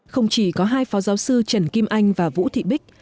không chỉ có hai phó giáo sư trần kim anh và vũ thị bích